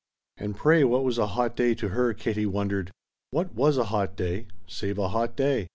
And pray what was a hot day to her, Katie wondered. What was a hot day save a hot day?